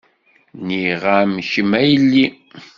Nniɣ-am kemm a yelli.